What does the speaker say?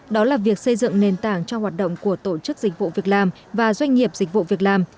đó là việc xây dựng nền tảng cho hoạt động của tổ chức dịch vụ việc làm và doanh nghiệp dịch vụ việc làm